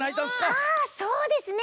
ああそうですね！